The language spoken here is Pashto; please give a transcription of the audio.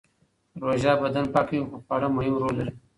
روژه بدن پاکوي خو خواړه مهم رول لري.